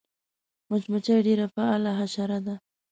مچمچۍ ډېره فعاله حشره ده